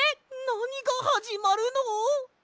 なにがはじまるの！？